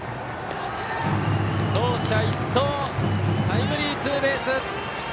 走者一掃、タイムリーツーベース。